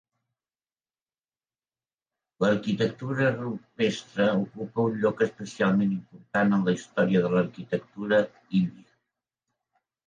L'arquitectura rupestre ocupa un lloc especialment important en la història de l'arquitectura índia.